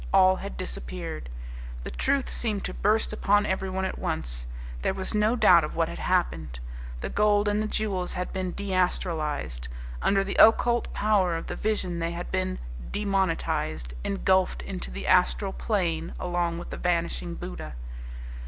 All had disappeared. The truth seemed to burst upon everyone at once. There was no doubt of what had happened. The gold and the jewels had been deastralized. Under the occult power of the vision they had been demonetized, engulfed into the astral plane along with the vanishing Buddha.